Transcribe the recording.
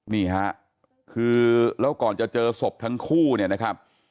นี่ฮะคือแล้วก่อนจะเจอศพทั้งคู่เนี่ยนะครับ